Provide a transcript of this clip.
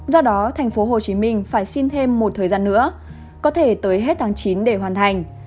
do đó tp hcm phải xin thêm một thời gian nữa có thể tới hết tháng chín để hoàn thành